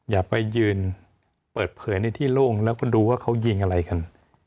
อย่าไปยืนเปิดเผยในที่โล่งแล้วก็ดูว่าเขายิงอะไรกัน